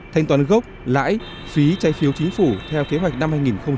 thanh toán gốc lãi phí chay phiếu chính phủ theo kế hoạch năm hai nghìn một mươi tám